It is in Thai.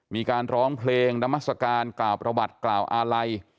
มีการร้องเพลงนามัศกาลกล่าวประวัติกล่าวอาลัย